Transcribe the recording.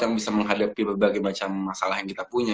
yang bisa menghadapi berbagai macam masalah yang kita punya